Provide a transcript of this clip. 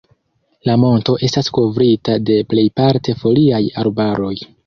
La monto estas kovrita de plejparte foliaj arbaroj.